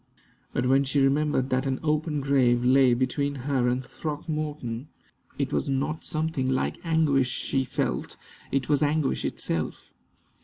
But when she remembered that an open grave lay between her and Throckmorton, it was not something like anguish she felt it was anguish itself.